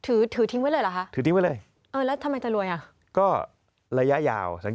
เอ่ย๗๑๑